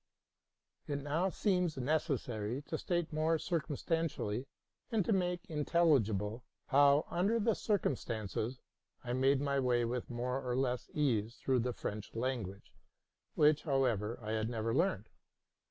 T5 It now seems necessary to state more circumstantially, and to make intelligible, how, under the circumstances, I made my way with more or less ease through the French language, which, however, I had never learned.